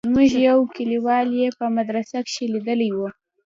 زموږ يو کليوال يې په مدرسه کښې ليدلى و.